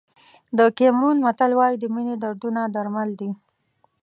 د کیمرون متل وایي د مینې دردونه درمل دي.